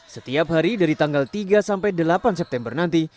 setiap hari dari tanggal tiga sampai delapan september nanti